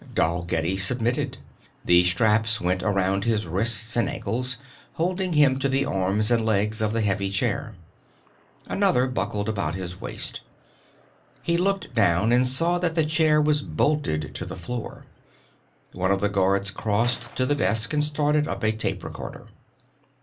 Dalgetty submitted. The straps went around his wrists and ankles, holding him to the arms and legs of the heavy chair. Another buckled about his waist. He looked down and saw that the chair was bolted to the floor. One of the guards crossed to the desk and started up a tape recorder.